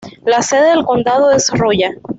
La sede del condado es Rolla.